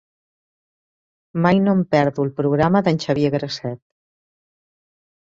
Mai no em perdo el programa d'en Xavier Grasset.